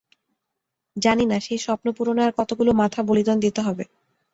জানি না, সেই স্বপ্নপূরণে আর কতোগুলো মাথা বলিদান দিতে হবে।